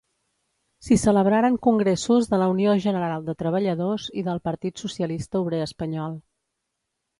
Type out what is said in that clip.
S'hi celebraren congressos de la Unió General de Treballadors i del Partit Socialista Obrer Espanyol.